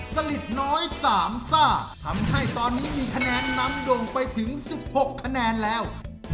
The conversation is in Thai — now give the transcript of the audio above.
สลิดน้อยสามซ่าทำให้ตอนนี้มีคะแนนนำโด่งไปถึง๑๖คะแนนแล้ว